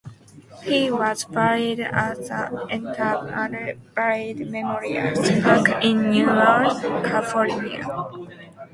He was buried at the Eternal Valley Memorial Park in Newhall, California.